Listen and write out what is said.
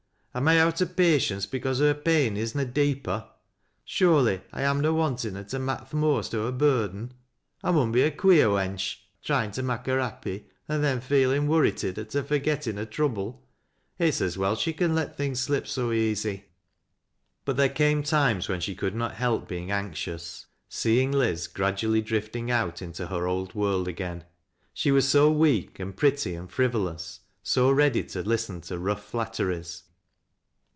Am I out o' patience because her pain is na dee].«i' \ Surely I am na wantin' her to raak' th' most o' her bui den. I mun be a queer wench, tryin' to mak' her happy, an' then f eelin' worrited at her forgettin' her trouble. It's well as she con let things slip so easy." But there came times when she could not help being anxious, seeing Liz gradually drifting out into her old world again. She was so weak, and pretty, and frivolous, 80 ready to listen to rough flatteries.